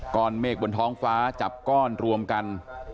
เมฆบนท้องฟ้าจับก้อนรวมกัน